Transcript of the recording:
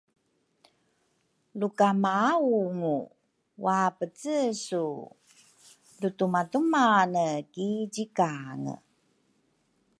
Luka maungu waapece su lutumatumane ki zikange?